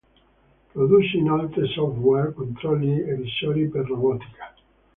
Produce inoltre software, controlli, e visori per robotica.